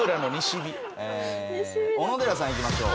小野寺さんいきましょう。